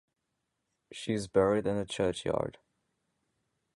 She is buried in the churchyard.